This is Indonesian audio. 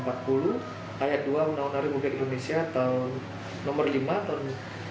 ayat dua menaunari bukit indonesia tahun nomor lima tahun seribu sembilan ratus sembilan puluh